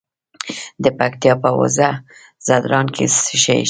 د پکتیا په وزه ځدراڼ کې څه شی شته؟